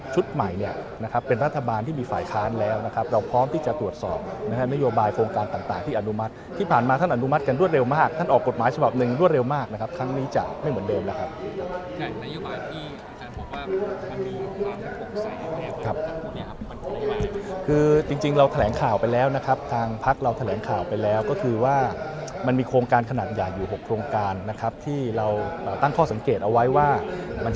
เนี่ยนะครับเป็นรัฐบาลที่มีฝ่ายค้านแล้วนะครับเราพร้อมที่จะตรวจสอบนะฮะนโยบายโครงการต่างที่อนุมัติที่ผ่านมาท่านอนุมัติกันรวดเร็วมากท่านออกกฎหมายฉบับหนึ่งรวดเร็วมากนะครับครั้งนี้จะไม่เหมือนเดิมแล้วครับคือจริงเราแถลงข่าวไปแล้วนะครับทางพักเราแถลงข่าวไปแล้วก็คือว่ามันมีโครงการขนาดใหญ่อยู่๖โครงการนะครับที่เราตั้งข้อสังเกตเอาไว้ว่ามัน